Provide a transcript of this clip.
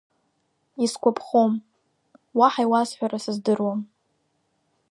Исгәаԥхом, уаҳа иуасҳәара сыздыруам.